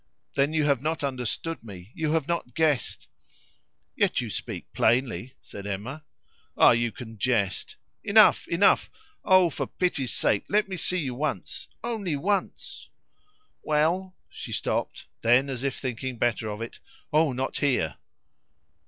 Then you have not understood me; you have not guessed " "Yet you speak plainly," said Emma. "Ah! you can jest. Enough! enough! Oh, for pity's sake, let me see you once only once!" "Well " She stopped; then, as if thinking better of it, "Oh, not here!"